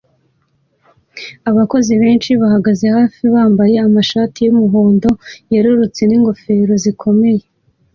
Abakozi benshi bahagaze hafi bambaye amashati yumuhondo yerurutse n'ingofero zikomeye